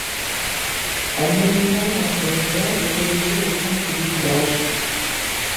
Un monument en son honneur est érigé au centre du village.